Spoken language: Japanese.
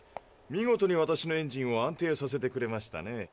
見事に私のエンジンを安定させてくれましたね。